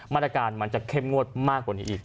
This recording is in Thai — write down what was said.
มาตรการมันจะเข้มงวดมากกว่านี้อีก